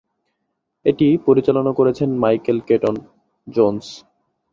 এটি পরিচালনা করেছেন মাইকেল কেটন-জোন্স।